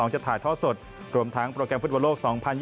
จะถ่ายท่อสดรวมทั้งโปรแกรมฟุตบอลโลก๒๐๒๐